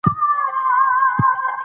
محلي کورونه د ادبي برنامو ملاتړ کوي.